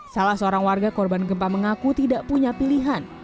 salah seorang warga korban gempa mengaku tidak punya pilihan